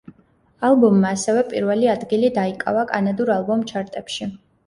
ალბომმა ასევე პირველი ადგილი დაიკავა კანადურ ალბომ ჩარტებში.